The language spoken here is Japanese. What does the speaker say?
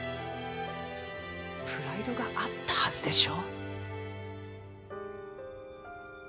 プライドがあったはずでしょ？